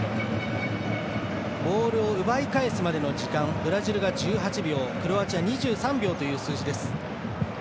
ボールを奪い返すまでの時間ブラジルが１８秒クロアチア２３秒という数字です。